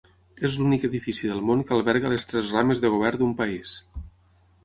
És l'únic edifici del món que alberga les tres rames de govern d'un país.